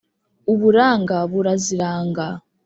Uburanga buraziranga